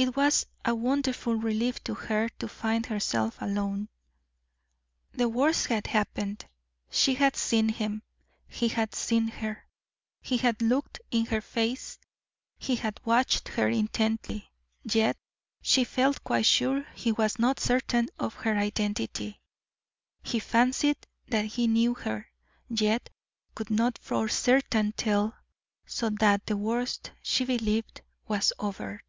It was a wonderful relief to her to find herself alone. The worst had happened she had seen him, he had seen her; he had looked in her face, he had watched her intently, yet she felt quite sure he was not certain of her identity he fancied that he knew her, yet could not for certain tell; so that the worst, she believed, was over.